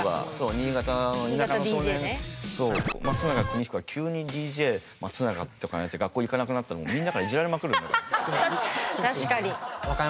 新潟の少年、松永邦彦が急にＤＪ松永とかになって学校に行かなくなったらみんなからいじられまくるんだから。